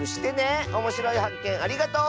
おもしろいはっけんありがとう！